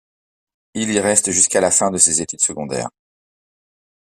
Il y reste jusqu'à la fin de ses études secondaires.